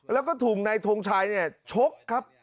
แล้วก็ถูกนายทงชัยชกครับ